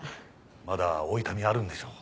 まだお痛みあるんでしょ？